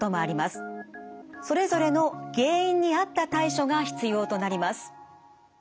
それぞれの原因に合った対処が必要となります。